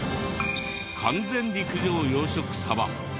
完全陸上養殖サバ。